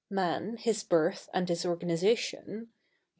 MAN, HIS BIRTH AND HIS ORGANIZATION.